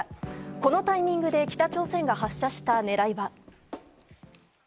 このタイミングで北朝鮮が発射した狙いは？